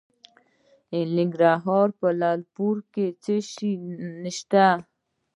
د ننګرهار په لعل پورې کې څه شی شته؟